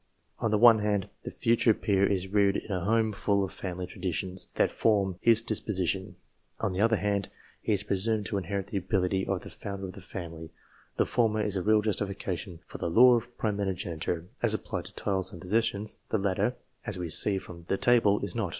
On the one hand, the future peer is reared in a home full of family traditions, that form his disposition. On the other hand, he is presumed to inherit the ability of the founder of the family. The former is a real justification for the law of primogeniture, as applied to titles and possessions; the latter, as we see from the table, is not.